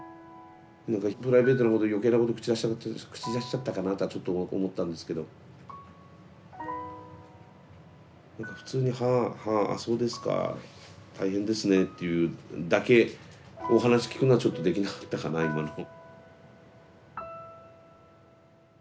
何かプライベートなこと余計なこと口出しちゃったかなあとはちょっと思ったんですけど何か普通に「はあはああそうですか」「大変ですね」って言うだけお話聞くのはちょっとできなかったかな今の。